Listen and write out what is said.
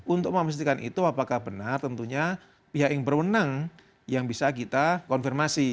untuk memastikan itu apakah benar tentunya pihak yang berwenang yang bisa kita konfirmasi